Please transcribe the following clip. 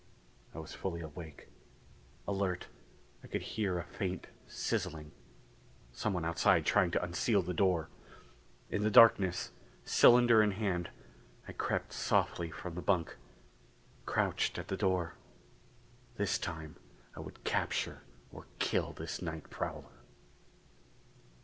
I was fully awake. Alert. I could hear a faint sizzling someone outside trying to unseal the door. In the darkness, cylinder in hand, I crept softly from the bunk. Crouched at the door. This time I would capture or kill this night prowler.